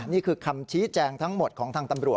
นี่คือคำชี้แจงทั้งหมดของทางตำรวจ